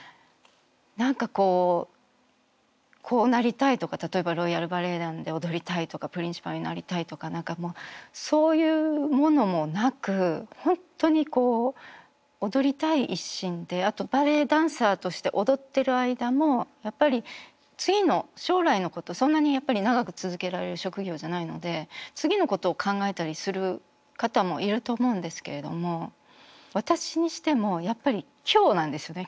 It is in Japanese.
何かこうこうなりたいとか例えばロイヤル・バレエ団で踊りたいとかプリンシパルになりたいとか何かもうそういうものもなく本当に踊りたい一心であとバレエダンサーとして踊ってる間もやっぱり次の将来のことそんなに長く続けられる職業じゃないので次のことを考えたりする方もいると思うんですけれども私にしてもやっぱり今日なんですよね。